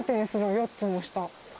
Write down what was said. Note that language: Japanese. ４つも下。